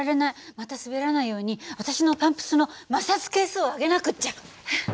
また滑らないように私のパンプスの摩擦係数を上げなくっちゃ。